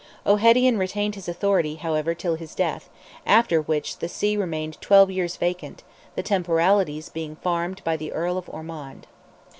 O'Hedian retained his authority, however, till his death, after which the see remained twelve years vacant, the temporalities being farmed by the Earl of Ormond.